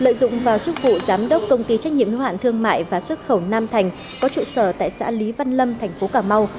công phụ giám đốc công ty trách nhiệm ngoại hạn thương mại và xuất khẩu nam thành có trụ sở tại xã lý văn lâm thành phố cà mau